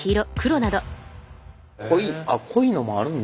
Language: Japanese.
濃いあっ濃いのもあるんだ。